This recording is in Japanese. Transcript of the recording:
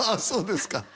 そうですか。